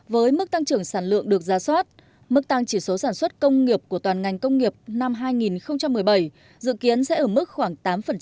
với mức tăng trưởng sản lượng được ra soát mức tăng chỉ số sản xuất công nghiệp của toàn ngành công nghiệp năm hai nghìn một mươi bảy dự kiến sẽ ở mức khoảng tám